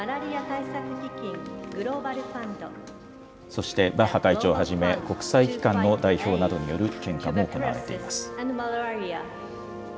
そしてバッハ会長をはじめ、国際機関の代表などによる献花も行われています。